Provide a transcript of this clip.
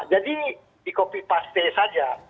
jadi dikopi pasti saja